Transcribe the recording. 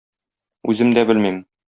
Үзем дә белмим.